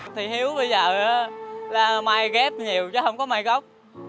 thì hiếu bây giờ là mai ghép nhiều chứ không có mai gốc